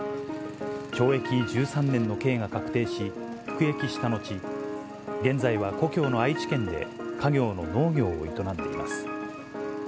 懲役１３年の刑が確定し、服役した後、現在は故郷の愛知県で、家業の農業を営んでいます。